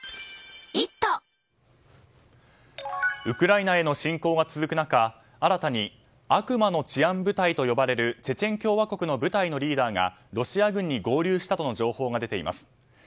ウクライナへの侵攻が続く中新たに悪魔の治安部隊と呼ばれるチェチェン共和国の部隊のリーダーがロシア軍に合流したとの情報が出ています。